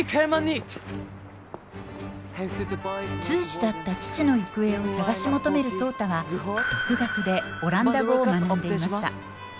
通詞だった父の行方を探し求める壮多は独学でオランダ語を学んでいました。